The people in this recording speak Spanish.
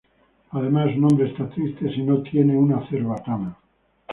Además un hombre está triste si no tiene una cerbatana.